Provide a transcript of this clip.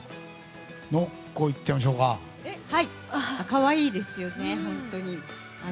可愛いですよね、本当に。